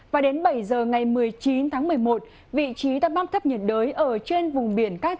và đến bảy giờ ngày một mươi chín tháng một mươi một vị trí tâm áp thấp nhiệt đới ở trên vùng biển các